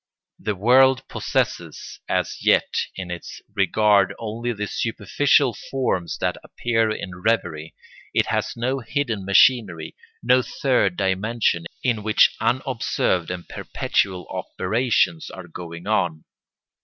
The world possesses as yet in its regard only the superficial forms that appear in revery, it has no hidden machinery, no third dimension in which unobserved and perpetual operations are going on.